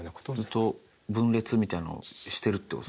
ずっと分裂みたいなのをしてるってことですか？